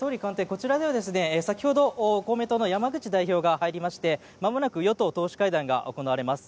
こちらでは公明党の山口代表が入りましてまもなく与党党首会談が行われます。